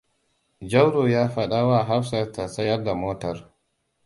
Jauro ya faɗawa Hafsat ta tsayar da motar.